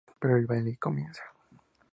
Pero el baile comienza.